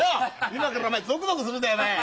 今からおめえゾクゾクするんだよねえ。